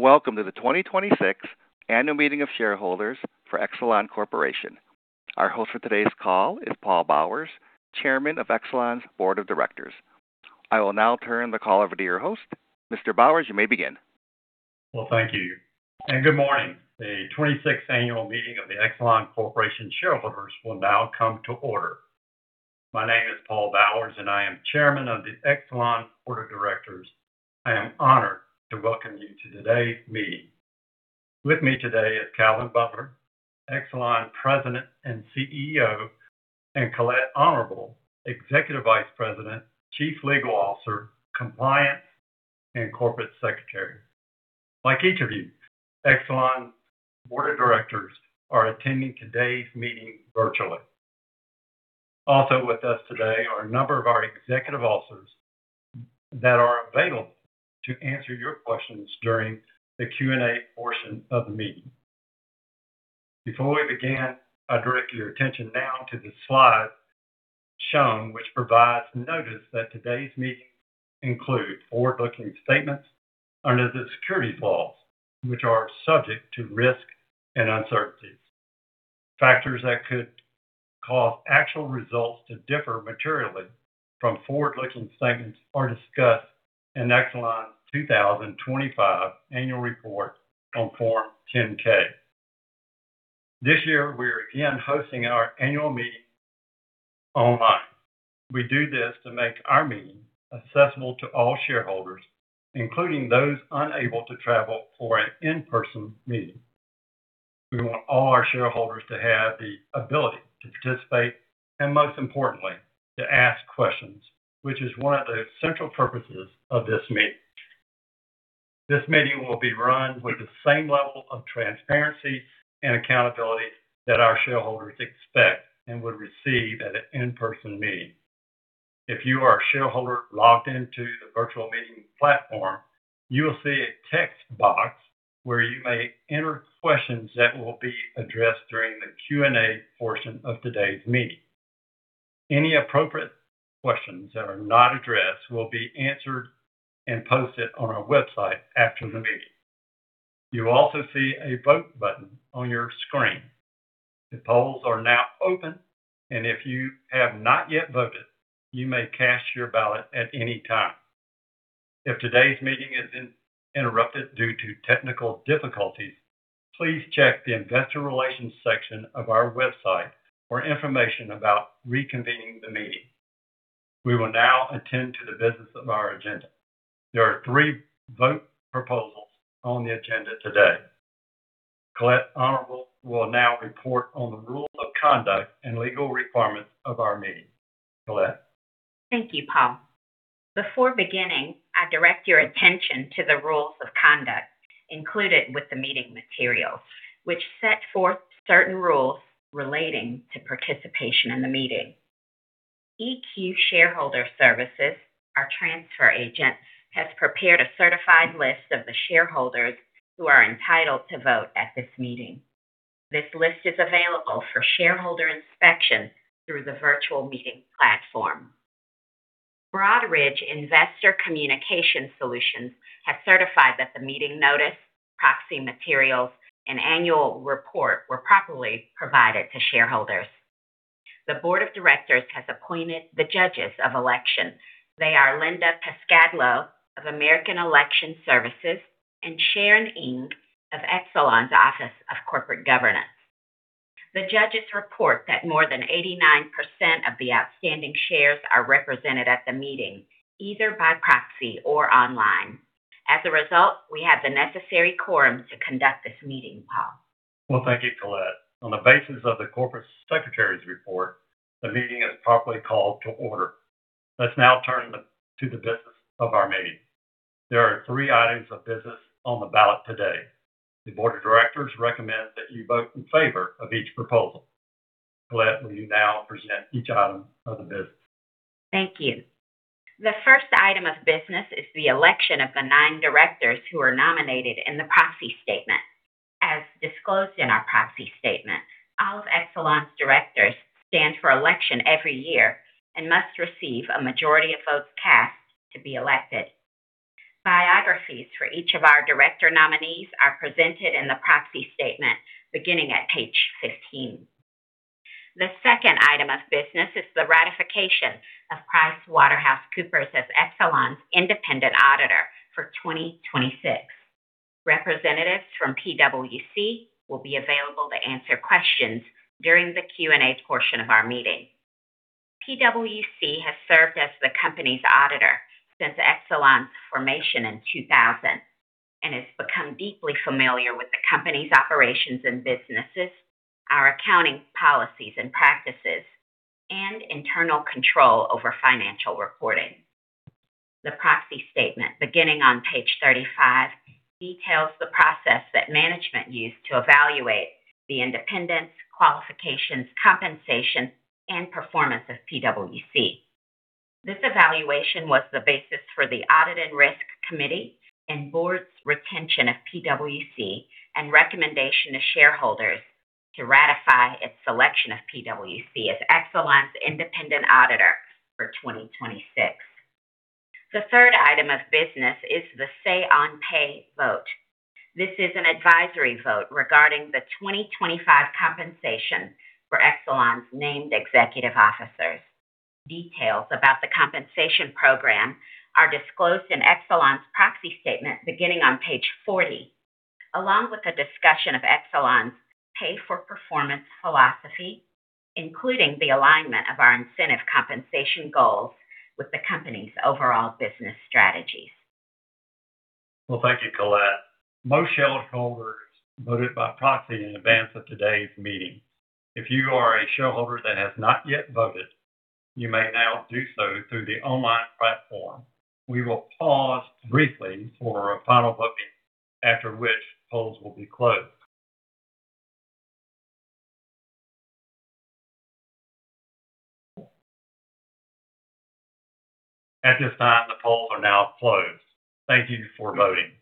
Welcome to the 2026 annual meeting of shareholders for Exelon Corporation. Our host for today's call is W. Paul Bowers, Chairman of Exelon's Board of Directors. I will now turn the call over to your host. Mr. Bowers, you may begin. Well, thank you, and good morning. The 26th annual meeting of the Exelon Corporation shareholders will now come to order. My name is Paul Bowers, and I am Chairman of the Exelon Board of Directors. I am honored to welcome you to today's meeting. With me today is Calvin Butler, Exelon President and CEO, and Colette Honorable, Executive Vice President, Chief Legal Officer, Compliance, and Corporate Secretary. Like each of you, Exelon Board of Directors are attending today's meeting virtually. Also with us today are a number of our executive officers that are available to answer your questions during the Q&A portion of the meeting. Before we begin, I direct your attention now to the slide shown, which provides notice that today's meeting includes forward-looking statements under the securities laws, which are subject to risk and uncertainties. Factors that could cause actual results to differ materially from forward-looking statements are discussed in Exelon's 2025 annual report on Form 10-K. This year, we are again hosting our annual meeting online. We do this to make our meeting accessible to all shareholders, including those unable to travel for an in-person meeting. We want all our shareholders to have the ability to participate and, most importantly, to ask questions, which is one of the central purposes of this meeting. This meeting will be run with the same level of transparency and accountability that our shareholders expect and would receive at an in-person meeting. If you are a shareholder logged into the virtual meeting platform, you will see a text box where you may enter questions that will be addressed during the Q&A portion of today's meeting. Any appropriate questions that are not addressed will be answered and posted on our website after the meeting. You will also see a vote button on your screen. The polls are now open. If you have not yet voted, you may cast your ballot at any time. If today's meeting is interrupted due to technical difficulties, please check the investor relations section of our website for information about reconvening the meeting. We will now attend to the business of our agenda. There are three vote proposals on the agenda today. Colette D. Honorable will now report on the rules of conduct and legal requirements of our meeting. Colette. Thank you, Paul. Before beginning, I direct your attention to the rules of conduct included with the meeting materials, which set forth certain rules relating to participation in the meeting. EQ Shareowner Services, our transfer agent, has prepared a certified list of the shareholders who are entitled to vote at this meeting. This list is available for shareholder inspection through the virtual meeting platform. Broadridge Investor Communication Solutions has certified that the meeting notice, proxy materials, and annual report were properly provided to shareholders. The board of directors has appointed the judges of elections. They are Linda A. Piscadlo of American Election Services and Sharon Ng of Exelon's Office of Corporate Governance. The judges report that more than 89% of the outstanding shares are represented at the meeting, either by proxy or online. As a result, we have the necessary quorum to conduct this meeting, Paul. Well, thank you, Colette. On the basis of the corporate secretary's report, the meeting is properly called to order. Let's now turn to the business of our meeting. There are 3 items of business on the ballot today. The board of directors recommends that you vote in favor of each proposal. Colette, will you now present each item of the business? Thank you. The first item of business is the election of the nine directors who are nominated in the proxy statement. As disclosed in our proxy statement, all of Exelon's directors stand for election every year and must receive a majority of votes cast to be elected. Biographies for each of our director nominees are presented in the proxy statement beginning at page 15. The second item of business is the ratification of PricewaterhouseCoopers as Exelon's independent auditor for 2026. Representatives from PwC will be available to answer questions during the Q&A portion of our meeting. PwC has served as the company's auditor since Exelon's formation in 2000 and has become deeply familiar with the company's operations and businesses, our accounting policies and practices, and internal control over financial reporting. The proxy statement, beginning on page 35, details the process that management used to evaluate the independence, qualifications, compensation, and performance of PwC. This evaluation was the basis for the Audit and Risk Committee and board's retention of PwC and recommendation to shareholders to ratify its selection of PwC as Exelon's independent auditor for 2026. The third item of business is the say on pay vote. This is an advisory vote regarding the 2025 compensation for Exelon's named executive officers. Details about the compensation program are disclosed in Exelon's proxy statement beginning on page 40, along with a discussion of Exelon's pay for performance philosophy, including the alignment of our incentive compensation goals with the company's overall business strategies. Well, thank you, Colette. Most shareholders voted by proxy in advance of today's meeting. If you are a shareholder that has not yet voted, you may now do so through the online platform. We will pause briefly for a final voting, after which polls will be closed. At this time, the polls are now closed. Thank you for voting.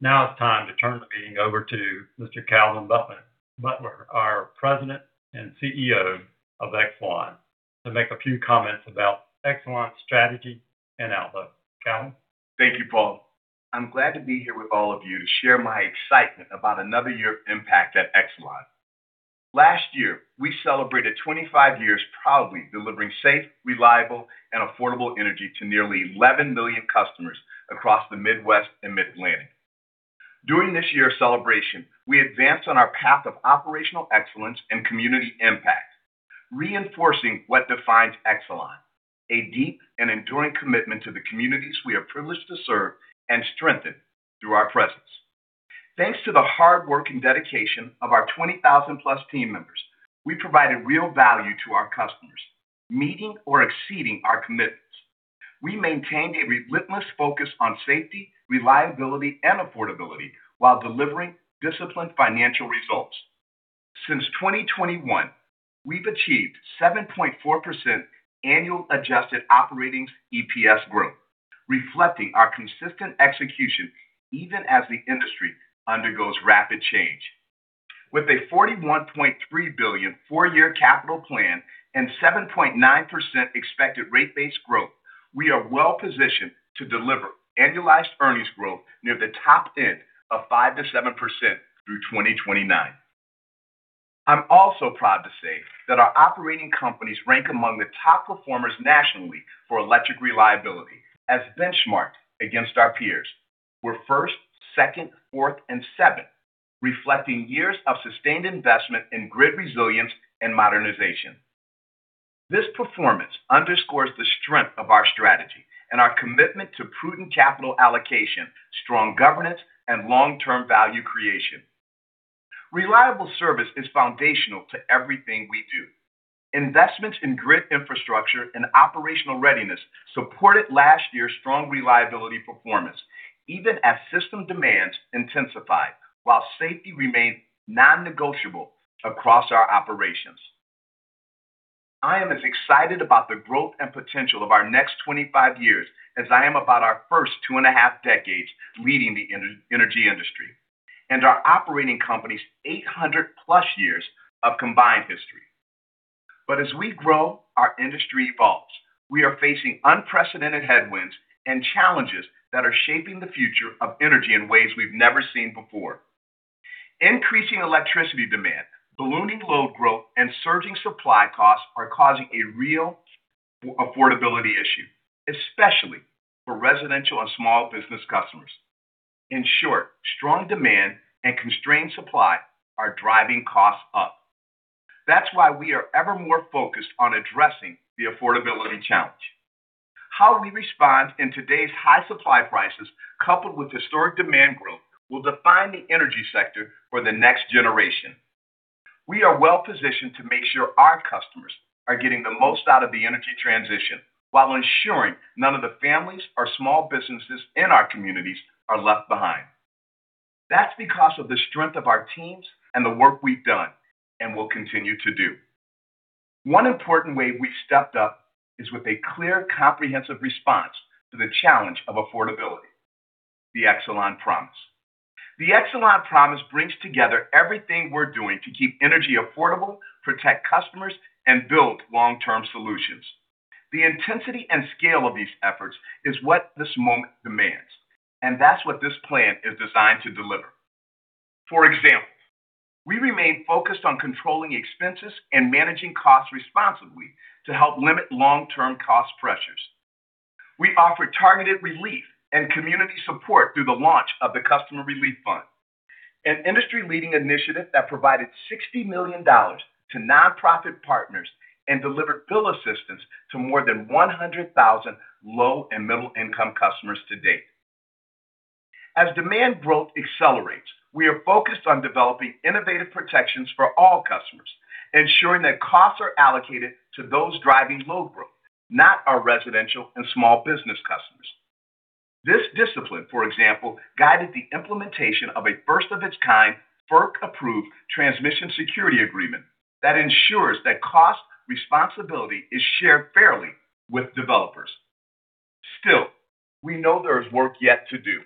Now it's time to turn the meeting over to Mr. Calvin Butler, our President and CEO of Exelon, to make a few comments about Exelon's strategy and outlook. Calvin? Thank you, Paul. I'm glad to be here with all of you to share my excitement about another year of impact at Exelon. Last year, we celebrated 25 years proudly delivering safe, reliable, and affordable energy to nearly 11 million customers across the Midwest and Mid-Atlantic. During this year's celebration, we advanced on our path of operational excellence and community impact, reinforcing what defines Exelon, a deep and enduring commitment to the communities we are privileged to serve and strengthen through our presence. Thanks to the hard work and dedication of our 20,000-plus team members, we provided real value to our customers, meeting or exceeding our commitments. We maintained a relentless focus on safety, reliability, and affordability while delivering disciplined financial results. Since 2021, we've achieved 7.4% annual adjusted operating EPS growth, reflecting our consistent execution even as the industry undergoes rapid change. With a $41.3 billion 4-year capital plan and 7.9% expected rate-based growth, we are well-positioned to deliver annualized earnings growth near the top end of 5%-7% through 2029. I'm also proud to say that our operating companies rank among the top performers nationally for electric reliability as benchmarked against our peers. We're first, second, fourth, and seventh, reflecting years of sustained investment in grid resilience and modernization. This performance underscores the strength of our strategy and our commitment to prudent capital allocation, strong governance, and long-term value creation. Reliable service is foundational to everything we do. Investments in grid infrastructure and operational readiness supported last year's strong reliability performance, even as system demands intensified while safety remained non-negotiable across our operations. I am as excited about the growth and potential of our next 25 years as I am about our first two and a half decades leading the energy industry and our operating companies' 800-plus years of combined history. As we grow, our industry evolves. We are facing unprecedented headwinds and challenges that are shaping the future of energy in ways we've never seen before. Increasing electricity demand, ballooning load growth, and surging supply costs are causing a real affordability issue, especially for residential and small business customers. In short, strong demand and constrained supply are driving costs up. That's why we are ever more focused on addressing the affordability challenge. How we respond in today's high supply prices coupled with historic demand growth will define the energy sector for the next generation. We are well-positioned to make sure our customers are getting the most out of the energy transition while ensuring none of the families or small businesses in our communities are left behind. That's because of the strength of our teams and the work we've done and will continue to do. One important way we've stepped up is with a clear, comprehensive response to the challenge of affordability, The Exelon Promise. The Exelon Promise brings together everything we're doing to keep energy affordable, protect customers, and build long-term solutions. The intensity and scale of these efforts is what this moment demands, and that's what this plan is designed to deliver. For example, we remain focused on controlling expenses and managing costs responsibly to help limit long-term cost pressures. We offer targeted relief and community support through the launch of the Customer Relief Fund, an industry-leading initiative that provided $60 million to nonprofit partners and delivered bill assistance to more than 100,000 low- and middle-income customers to date. As demand growth accelerates, we are focused on developing innovative protections for all customers, ensuring that costs are allocated to those driving load growth, not our residential and small business customers. This discipline, for example, guided the implementation of a first-of-its-kind FERC-approved Transmission Security Agreement that ensures that cost responsibility is shared fairly with developers. Still, we know there is work yet to do.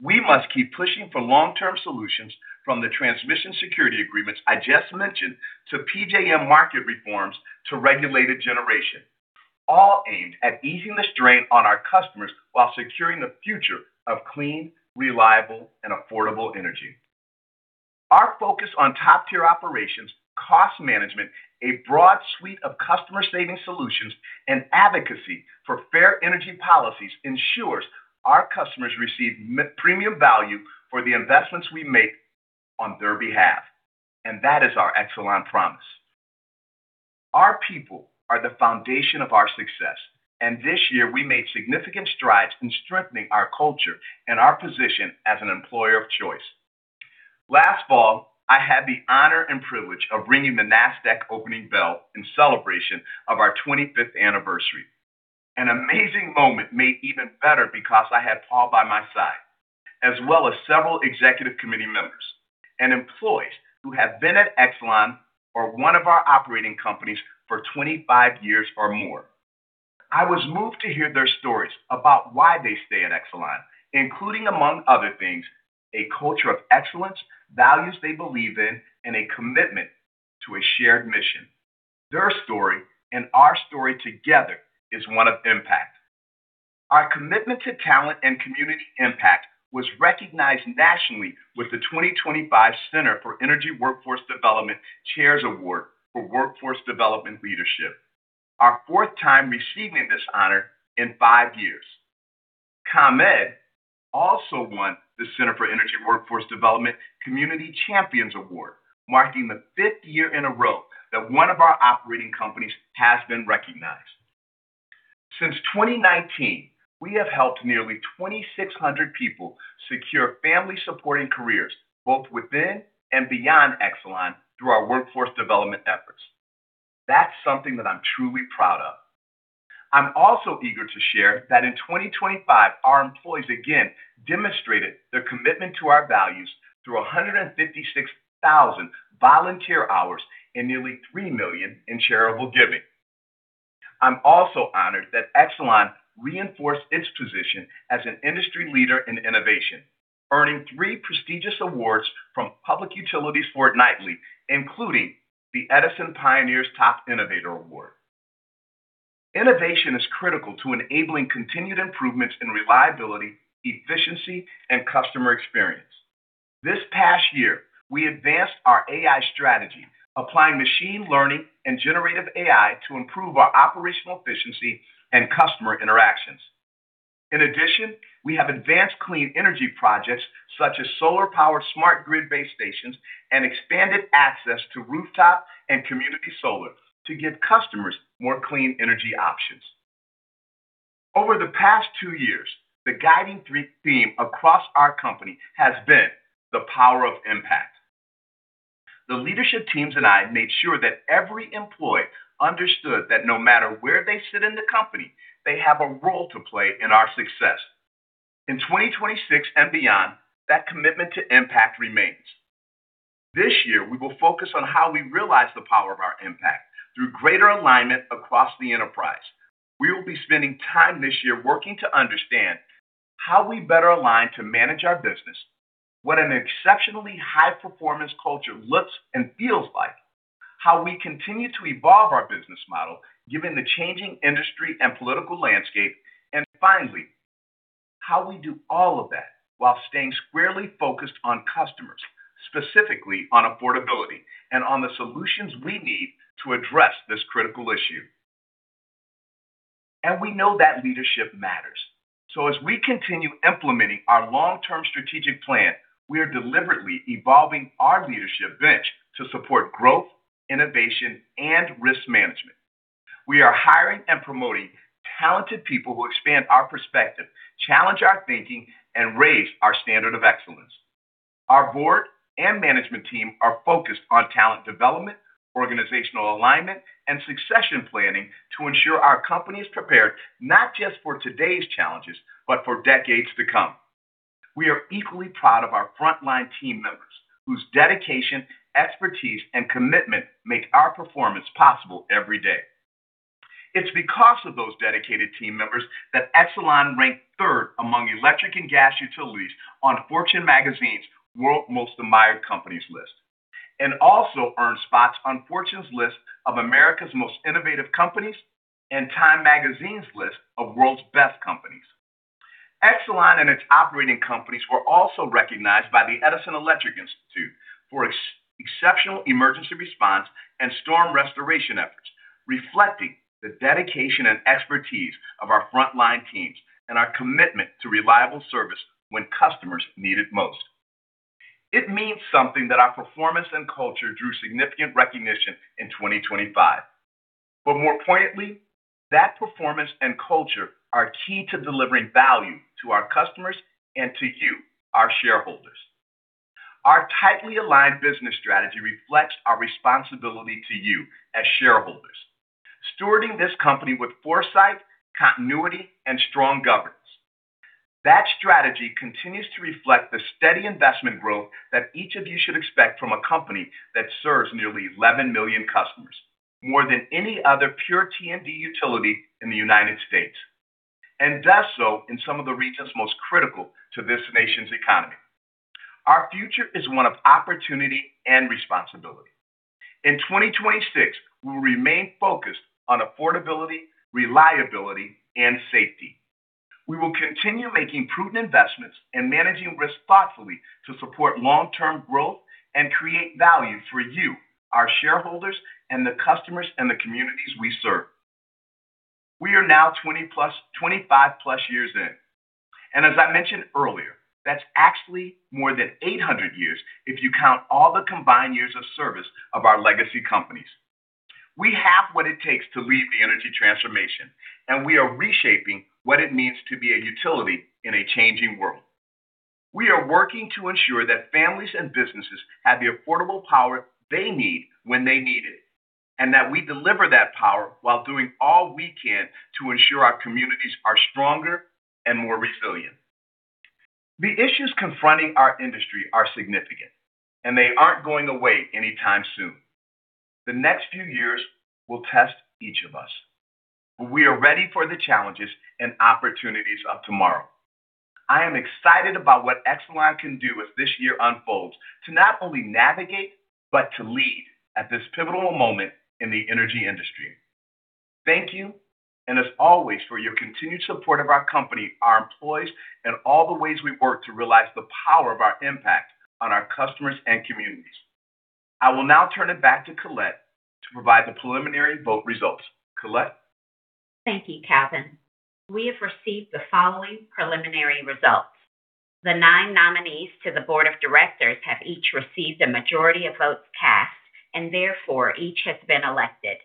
We must keep pushing for long-term solutions from the transmission security agreements I just mentioned to PJM market reforms to regulated generation, all aimed at easing the strain on our customers while securing the future of clean, reliable, and affordable energy. Our focus on top-tier operations, cost management, a broad suite of customer-saving solutions, and advocacy for fair energy policies ensures our customers receive premium value for the investments we make on their behalf. That is The Exelon Promise. Our people are the foundation of our success, and this year we made significant strides in strengthening our culture and our position as an employer of choice. Last fall, I had the honor and privilege of ringing the Nasdaq opening bell in celebration of our 25th anniversary. An amazing moment made even better because I had W. Paul Bowers by my side, as well as several executive committee members and employees who have been at Exelon or one of our operating companies for 25 years or more. I was moved to hear their stories about why they stay at Exelon, including, among other things, a culture of excellence, values they believe in, and a commitment to a shared mission. Their story and our story together is one of impact. Our commitment to talent and community impact was recognized nationally with the 2025 Center for Energy Workforce Development Chair's Award for Workforce Development Leadership, our fourth time receiving this honor in five years. ComEd also won the Center for Energy Workforce Development Community Champions Award, marking the fifth year in a row that one of our operating companies has been recognized. Since 2019, we have helped nearly 2,600 people secure family-supporting careers both within and beyond Exelon through our workforce development efforts. That's something that I'm truly proud of. I am also eager to share that in 2025, our employees again demonstrated their commitment to our values through 156,000 volunteer hours and nearly $3 million in charitable giving. I am also honored that Exelon reinforced its position as an industry leader in innovation, earning 3 prestigious awards from Public Utilities Fortnightly, including the Edison Pioneers Top Innovator Award. Innovation is critical to enabling continued improvements in reliability, efficiency, and customer experience. This past year, we advanced our AI strategy, applying machine learning and generative AI to improve our operational efficiency and customer interactions. In addition, we have advanced clean energy projects such as solar-powered smart grid base stations and expanded access to rooftop and community solar to give customers more clean energy options. Over the past 2 years, the guiding thread theme across our company has been the power of impact. The leadership teams and I made sure that every employee understood that no matter where they sit in the company, they have a role to play in our success. In 2026 and beyond, that commitment to impact remains. This year we will focus on how we realize the power of our impact through greater alignment across the enterprise. We will be spending time this year working to understand how we better align to manage our business, what an exceptionally high-performance culture looks and feels like, how we continue to evolve our business model given the changing industry and political landscape. Finally, how we do all of that while staying squarely focused on customers, specifically on affordability and on the solutions we need to address this critical issue. We know that leadership matters. As we continue implementing our long-term strategic plan, we are deliberately evolving our leadership bench to support growth, innovation, and risk management. We are hiring and promoting talented people who expand our perspective, challenge our thinking, and raise our standard of excellence. Our board and management team are focused on talent development, organizational alignment, and succession planning to ensure our company is prepared not just for today's challenges, but for decades to come. We are equally proud of our frontline team members whose dedication, expertise, and commitment make our performance possible every day. It's because of those dedicated team members that Exelon ranked third among electric and gas utilities on Fortune magazine's World's Most Admired Companies list and also earned spots on Fortune's list of America's Most Innovative Companies and Time magazine's list of World's Best Companies. Exelon and its operating companies were also recognized by the Edison Electric Institute for exceptional emergency response and storm restoration efforts, reflecting the dedication and expertise of our frontline teams and our commitment to reliable service when customers need it most. It means something that our performance and culture drew significant recognition in 2025. More pointedly, that performance and culture are key to delivering value to our customers and to you, our shareholders. Our tightly aligned business strategy reflects our responsibility to you as shareholders, stewarding this company with foresight, continuity, and strong governance. That strategy continues to reflect the steady investment growth that each of you should expect from a company that serves nearly 11 million customers, more than any other pure T&D utility in the United States, and does so in some of the regions most critical to this nation's economy. Our future is one of opportunity and responsibility. In 2026, we will remain focused on affordability, reliability, and safety. We will continue making prudent investments and managing risk thoughtfully to support long-term growth and create value for you, our shareholders, and the customers and the communities we serve. We are now 25 plus years in, and as I mentioned earlier, that's actually more than 800 years if you count all the combined years of service of our legacy companies. We have what it takes to lead the energy transformation, and we are reshaping what it means to be a utility in a changing world. We are working to ensure that families and businesses have the affordable power they need when they need it, and that we deliver that power while doing all we can to ensure our communities are stronger and more resilient. The issues confronting our industry are significant, and they aren't going away anytime soon. The next few years will test each of us, but we are ready for the challenges and opportunities of tomorrow. I am excited about what Exelon can do as this year unfolds to not only navigate, but to lead at this pivotal moment in the energy industry. Thank you and as always for your continued support of our company, our employees, and all the ways we work to realize the power of our impact on our customers and communities. I will now turn it back to Colette to provide the preliminary vote results. Colette. Thank you, Calvin. We have received the following preliminary results. The 9 nominees to the board of directors have each received a majority of votes cast, and therefore, each has been elected.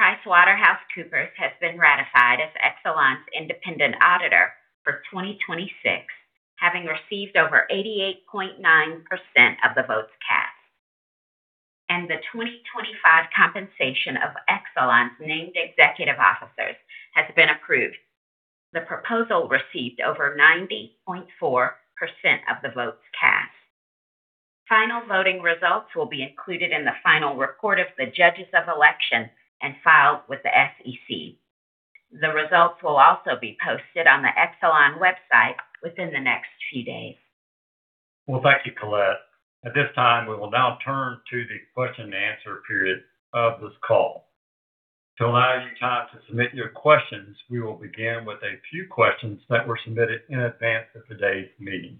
PricewaterhouseCoopers has been ratified as Exelon's independent auditor for 2026, having received over 88.9% of the votes cast. The 2025 compensation of Exelon's named executive officers has been approved. The proposal received over 90.4% of the votes cast. Final voting results will be included in the final report of the judges of election and filed with the SEC. The results will also be posted on the Exelon website within the next few days. Well, thank you, Colette. At this time, we will now turn to the question and answer period of this call. To allow you time to submit your questions, we will begin with a few questions that were submitted in advance of today's meeting.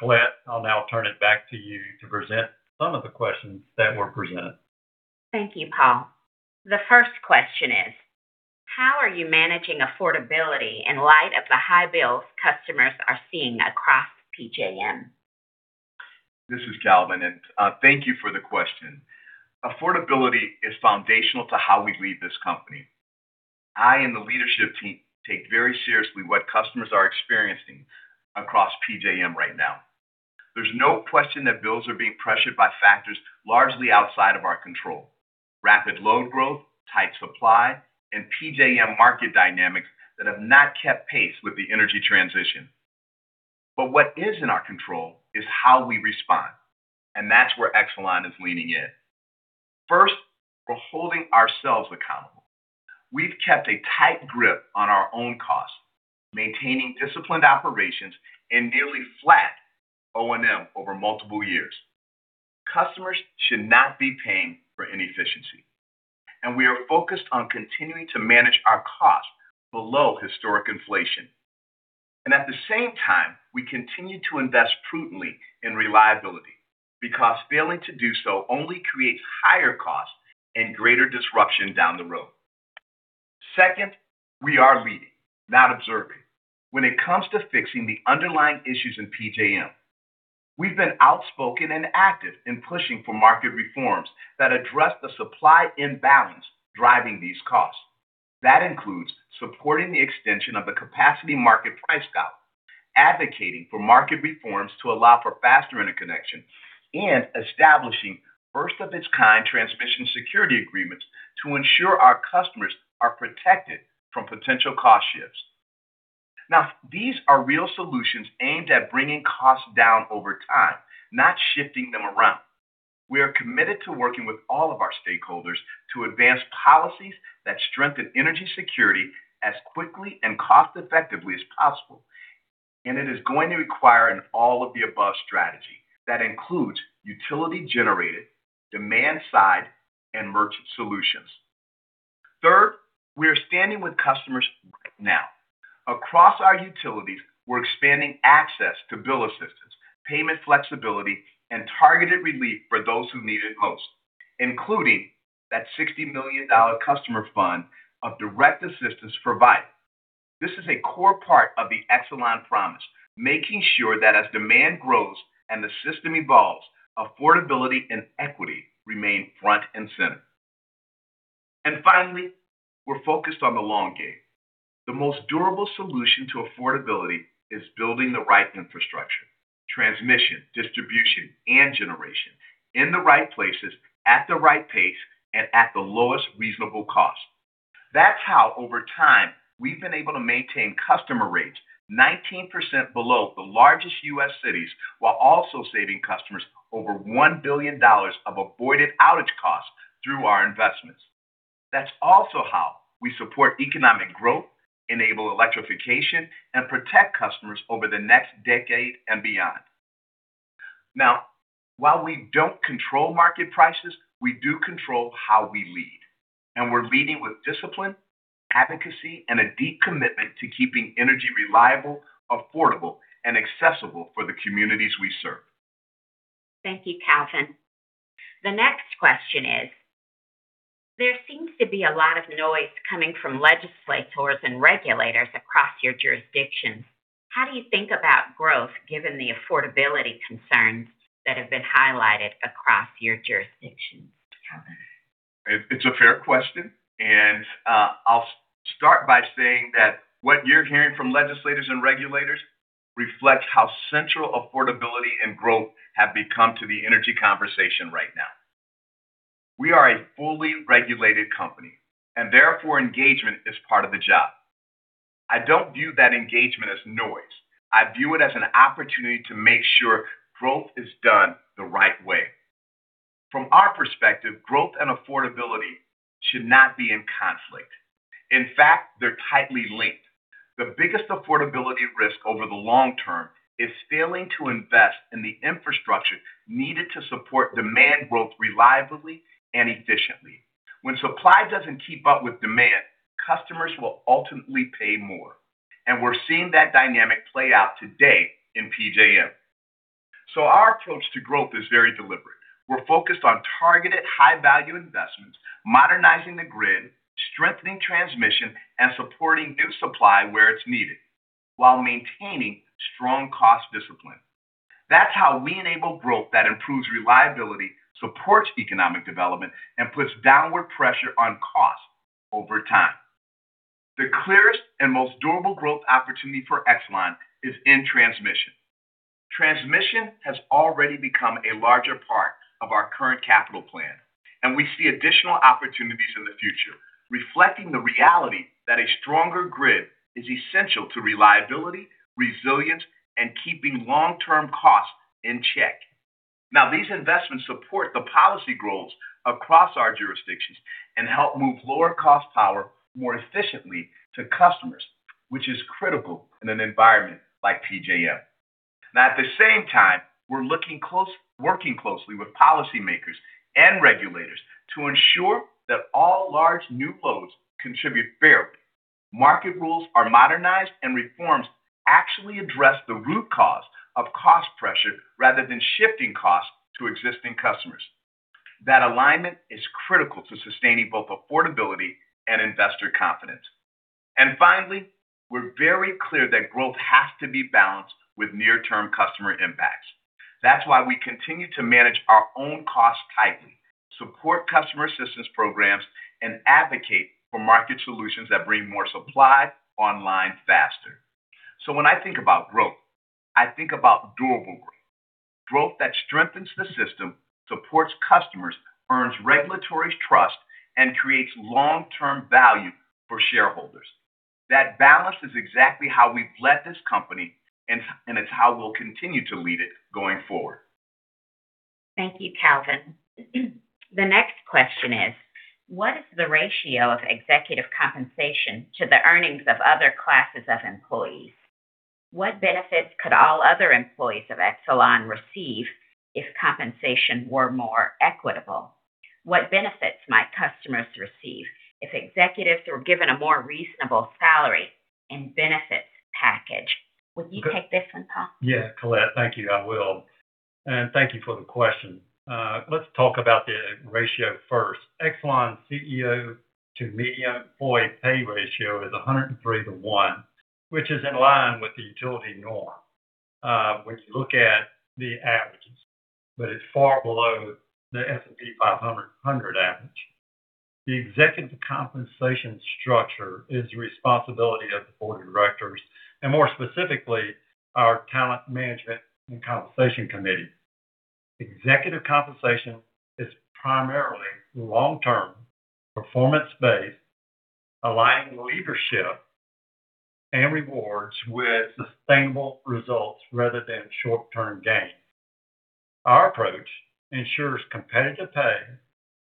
Colette, I'll now turn it back to you to present some of the questions that were presented. Thank you, Paul. The first question is: How are you managing affordability in light of the high bills customers are seeing across PJM? This is Calvin, thank you for the question. Affordability is foundational to how we lead this company. I and the leadership team take very seriously what customers are experiencing across PJM right now. There's no question that bills are being pressured by factors largely outside of our control: rapid load growth, tight supply, and PJM market dynamics that have not kept pace with the energy transition. What is in our control is how we respond, and that's where Exelon is leaning in. First, we're holding ourselves accountable. We've kept a tight grip on our own costs, maintaining disciplined operations and nearly flat O&M over multiple years. Customers should not be paying for inefficiency, and we are focused on continuing to manage our costs below historic inflation. At the same time, we continue to invest prudently in reliability because failing to do so only creates higher costs and greater disruption down the road. Second, we are leading, not observing. When it comes to fixing the underlying issues in PJM, we've been outspoken and active in pushing for market reforms that address the supply imbalance driving these costs. That includes supporting the extension of the capacity market price cap, advocating for market reforms to allow for faster interconnection, and establishing first-of-its-kind Transmission Security Agreements to ensure our customers are protected from potential cost shifts. Now, these are real solutions aimed at bringing costs down over time, not shifting them around. We are committed to working with all of our stakeholders to advance policies that strengthen energy security as quickly and cost-effectively as possible. It is going to require an all-of-the-above strategy that includes utility-generated, demand-side, and merchant solutions. Third, we are standing with customers right now. Across our utilities, we're expanding access to bill assistance, payment flexibility, and targeted relief for those who need it most, including that $60 million Customer Relief Fund of direct assistance. This is a core part of the Exelon Promise, making sure that as demand grows and the system evolves, affordability and equity remain front and center. Finally, we're focused on the long game. The most durable solution to affordability is building the right infrastructure, transmission, distribution, and generation in the right places, at the right pace, and at the lowest reasonable cost. That's how, over time, we've been able to maintain customer rates 19% below the largest U.S. cities, while also saving customers over $1 billion of avoided outage costs through our investments. That's also how we support economic growth, enable electrification, and protect customers over the next decade and beyond. While we don't control market prices, we do control how we lead, and we're leading with discipline, advocacy, and a deep commitment to keeping energy reliable, affordable, and accessible for the communities we serve. Thank you, Calvin. The next question is: There seems to be a lot of noise coming from legislators and regulators across your jurisdictions. How do you think about growth given the affordability concerns that have been highlighted across your jurisdictions? Calvin. It's a fair question, and I'll start by saying that what you're hearing from legislators and regulators reflects how central affordability and growth have become to the energy conversation right now. We are a fully regulated company, and therefore engagement is part of the job. I don't view that engagement as noise. I view it as an opportunity to make sure growth is done the right way. From our perspective, growth and affordability should not be in conflict. In fact, they're tightly linked. The biggest affordability risk over the long term is failing to invest in the infrastructure needed to support demand growth reliably and efficiently. When supply doesn't keep up with demand, customers will ultimately pay more, and we're seeing that dynamic play out today in PJM. Our approach to growth is very deliberate. We're focused on targeted high-value investments, modernizing the grid, strengthening transmission, and supporting new supply where it's needed while maintaining strong cost discipline. That's how we enable growth that improves reliability, supports economic development, and puts downward pressure on costs over time. The clearest and most durable growth opportunity for Exelon is in transmission. Transmission has already become a larger part of our current capital plan, and we see additional opportunities in the future, reflecting the reality that a stronger grid is essential to reliability, resilience, and keeping long-term costs in check. These investments support the policy goals across our jurisdictions and help move lower cost power more efficiently to customers, which is critical in an environment like PJM. At the same time, we're working closely with policymakers and regulators to ensure that all large new loads contribute fairly. Market rules are modernized, reforms actually address the root cause of cost pressure rather than shifting costs to existing customers. That alignment is critical to sustaining both affordability and investor confidence. Finally, we're very clear that growth has to be balanced with near-term customer impacts. That's why we continue to manage our own costs tightly, support customer assistance programs, and advocate for market solutions that bring more supply online faster. When I think about growth, I think about durable growth. Growth that strengthens the system, supports customers, earns regulatory trust, and creates long-term value for shareholders. That balance is exactly how we've led this company, and it's how we'll continue to lead it going forward. Thank you, Calvin. The next question is: What is the ratio of executive compensation to the earnings of other classes of employees? What benefits could all other employees of Exelon receive if compensation were more equitable? What benefits might customers receive if executives were given a more reasonable salary and benefits package? Would you take this one, Paul? Yeah, Colette. Thank you. I will. Thank you for the question. Let's talk about the ratio first. Exelon CEO to median employee pay ratio is 103 to 1, which is in line with the utility norm, when you look at the averages, but it's far below the S&P 500 average. The executive compensation structure is the responsibility of the board of directors and more specifically, our Talent Management and Compensation Committee. Executive compensation is primarily long-term, performance-based, aligning leadership and rewards with sustainable results rather than short-term gains. Our approach ensures competitive pay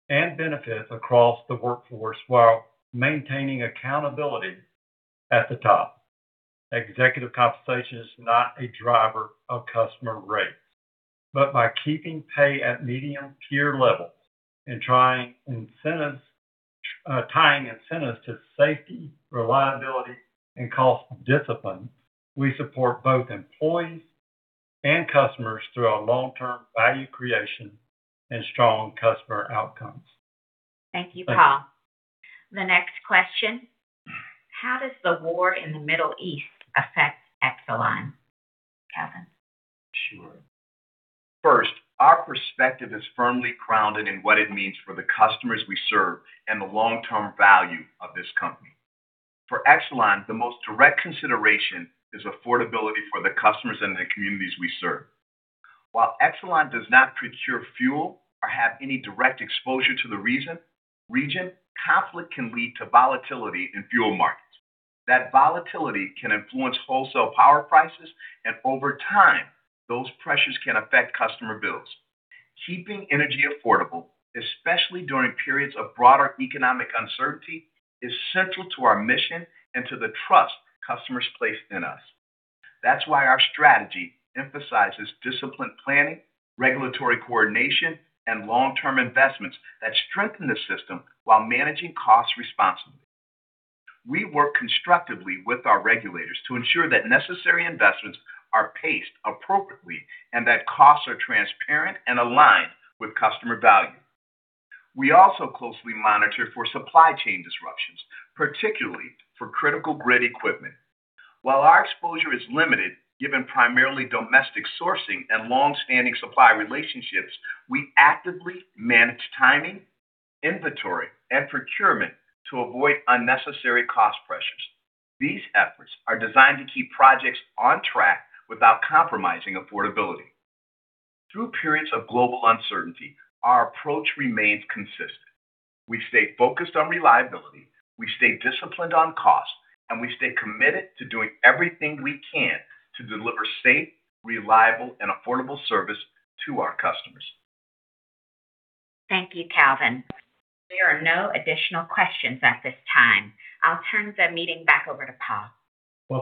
and benefits across the workforce while maintaining accountability at the top. Executive compensation is not a driver of customer rates. By keeping pay at medium peer levels and tying incentives to safety, reliability, and cost discipline, we support both employees and customers through our long-term value creation and strong customer outcomes. Thank you, Paul. The next question: How does the war in the Middle East affect Exelon? Calvin. Sure. Our perspective is firmly grounded in what it means for the customers we serve and the long-term value of this company. For Exelon, the most direct consideration is affordability for the customers and the communities we serve. While Exelon does not procure fuel or have any direct exposure to the region, conflict can lead to volatility in fuel markets. That volatility can influence wholesale power prices, and over time, those pressures can affect customer bills. Keeping energy affordable, especially during periods of broader economic uncertainty, is central to our mission and to the trust customers place in us. That's why our strategy emphasizes disciplined planning, regulatory coordination, and long-term investments that strengthen the system while managing costs responsibly. We work constructively with our regulators to ensure that necessary investments are paced appropriately and that costs are transparent and aligned with customer value. We also closely monitor for supply chain disruptions, particularly for critical grid equipment. While our exposure is limited, given primarily domestic sourcing and longstanding supply relationships, we actively manage timing, inventory, and procurement to avoid unnecessary cost pressures. These efforts are designed to keep projects on track without compromising affordability. Through periods of global uncertainty, our approach remains consistent. We stay focused on reliability, we stay disciplined on cost, and we stay committed to doing everything we can to deliver safe, reliable, and affordable service to our customers. Thank you, Calvin. There are no additional questions at this time. I'll turn the meeting back over to Paul.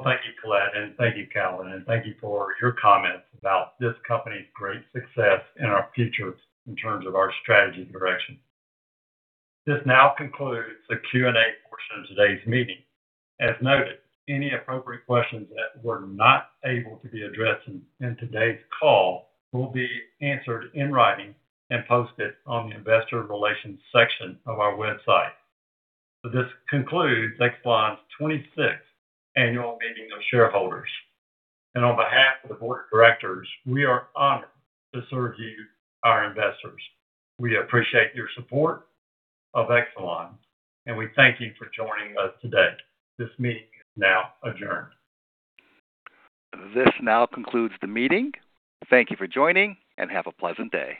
Thank you, Colette, and thank you, Calvin, and thank you for your comments about this company's great success and our future in terms of our strategy direction. This now concludes the Q&A portion of today's meeting. As noted, any appropriate questions that were not able to be addressed in today's call will be answered in writing and posted on the investor relations section of our website. This concludes Exelon's 26th annual meeting of shareholders. On behalf of the Board of Directors, we are honored to serve you, our investors. We appreciate your support of Exelon, and we thank you for joining us today. This meeting is now adjourned. This now concludes the meeting. Thank you for joining, and have a pleasant day.